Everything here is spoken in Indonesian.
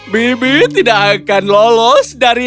bibit tidak akan lolos dari